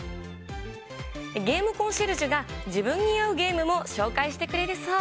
ゲームコンシェルジュが自分に合うゲームも紹介してくれるそう。